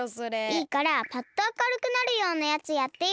いいからパッとあかるくなるようなやつやってよ。